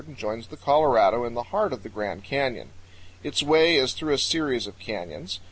and joins the Colorado in the heart of the Grand Canyon. Its way is through a series of canyons.